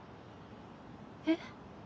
えっ？